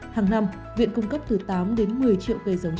hàng năm viện cung cấp từ tám đến một mươi triệu cây giống